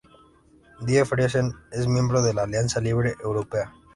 Die Friesen es miembro de la Alianza Libre Europea.